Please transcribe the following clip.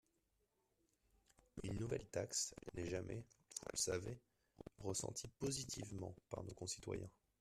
Une nouvelle taxe n’est jamais, vous le savez, ressentie positivement par nos concitoyens.